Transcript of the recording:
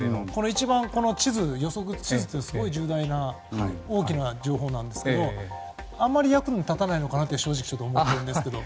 この予測地図、重大な大きな情報なんですけどあまり役に立たないのかなって正直ちょっと思うんですけど。